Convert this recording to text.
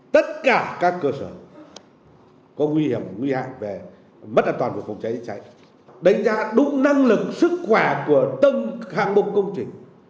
tất cả các cơ sở có nguy hiểm nguy hạn về mất an toàn của phòng cháy chữa cháy